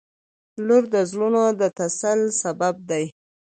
• لور د زړونو د تسل سبب دی.